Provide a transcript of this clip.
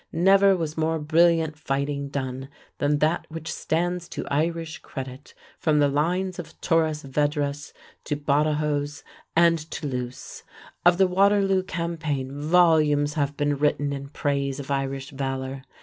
Never was more brilliant fighting done than that which stands to Irish credit from the lines of Torres Vedras to Badajos and Toulouse. Of the Waterloo campaign volumes have been written in praise of Irish valor.